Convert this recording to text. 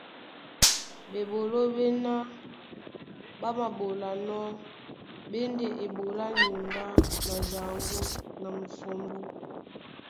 Bɓeɓoló ɓéná ɓá māɓolanɔ́ ɓé e ndé eɓoló á nyuŋgá na jaŋgó na musombó.